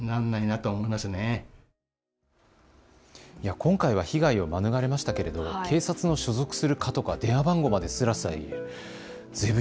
今回は被害を免れましたけれど警察の所属する課とか電話番号まですらすらと。